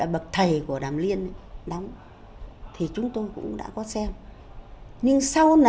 ba quân đều